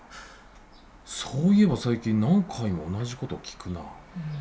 そういえば最近何回も同じ事聞くな。